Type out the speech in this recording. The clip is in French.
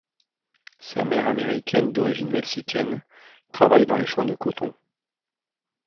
Sa mère américaine d'origine mexicaine travaille dans les champs de coton.